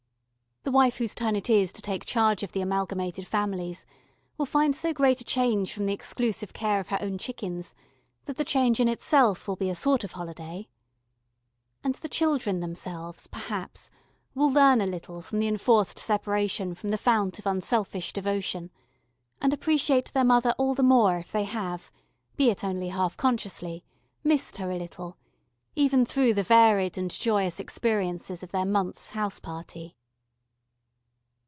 The wife whose turn it is to take charge of the amalgamated families will find so great a change from the exclusive care of her own chickens that the change in itself will be a sort of holiday. And the children themselves, perhaps, will learn a little from the enforced separation from the fount of unselfish devotion, and appreciate their mother all the more if they have, be it only half consciously, missed her a little even through the varied and joyous experiences of their month's house party.